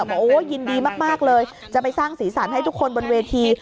บอกโอ้ยินดีมากเลยจะไปสร้างสีสันให้ทุกคนบนเวที